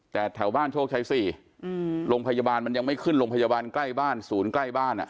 แต่แถวบ้านโชคชัย๔โรงพยาบาลมันยังไม่ขึ้นโรงพยาบาลใกล้บ้านศูนย์ใกล้บ้าน